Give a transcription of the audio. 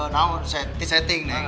nah disetting neng